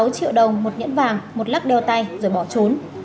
một mươi sáu triệu đồng một nhẫn vàng một lắc đeo tay rồi bỏ trốn